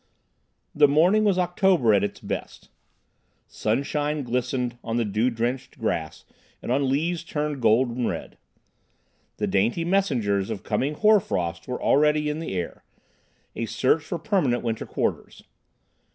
The morning was October at its best. Sunshine glistened on the dew drenched grass and on leaves turned golden red. The dainty messengers of coming hoar frost were already in the air, a search for permanent winter quarters.